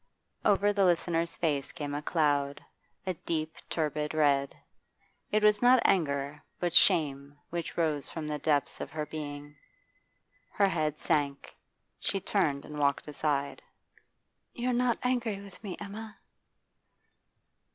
Over the listener's face came a cloud, a deep, turbid red. It was not anger, but shame which rose from the depths of her being. Her head sank; she turned and walked aside. 'You're not angry with me, Emma?